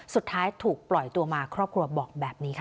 สุดท้ายถูกปล่อยตัวมาครอบครัวบอกแบบนี้ค่ะ